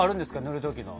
塗る時の。